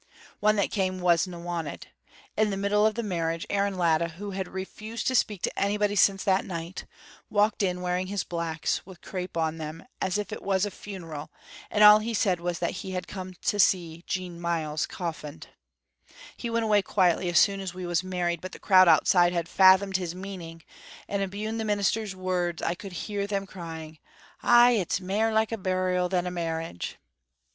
One came that wasna wanted. In the middle o' the marriage Aaron Latta, wha had refused to speak to anybody since that night, walked in wearing his blacks, wi' crape on them, as if it was a funeral, and all he said was that he had come to see Jean Myles coffined. He went away quietly as soon as we was married, but the crowd outside had fathomed his meaning, and abune the minister's words I could hear them crying, 'Ay, it's mair like a burial than a marriage!'